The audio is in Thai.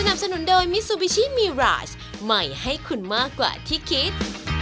คืออาจจะไม่ได้หวังเรื่องของตัวผมอะไรสักไหน